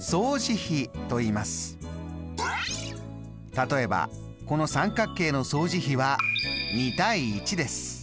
例えばこの三角形の相似比は２：１です。